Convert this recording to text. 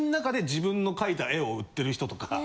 自分の描いた絵を売ってる人とか。